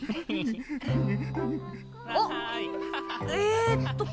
あっえっと